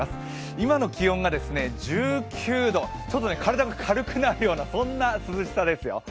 今の気温が１９度、体が軽くなるようなそんな涼しさですよ。